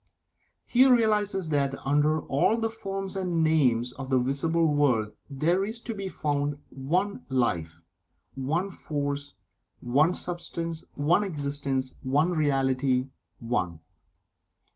He realizes that under all the forms and names of the visible world, there is to be found One Life One Force One Substance One Existence One Reality ONE.